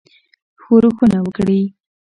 ښورښونه وکړي.